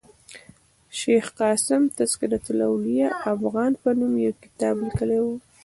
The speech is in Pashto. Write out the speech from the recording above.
شېخ قاسم تذکرة الاولياء افغان په نوم یو کتاب لیکلی ؤ.